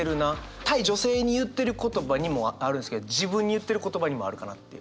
対女性に言ってる言葉にもあるんですけど自分に言ってる言葉にもあるかなっていう。